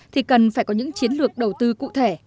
thì cần phải có những chiến lược đầu tư cụ thể